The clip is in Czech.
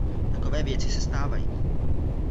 Takové věci se stávají.